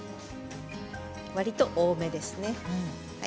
わりと多めですね。